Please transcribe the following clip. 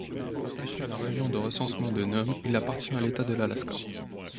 Rattaché à la région de recensement de Nome, il appartient à l'État de l'Alaska.